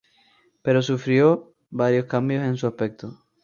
Pero sufrió varios cambios en su aspecto.